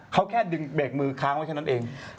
เขาแค่ดึงเบรกมือค้างไว้แค่นั้นเอง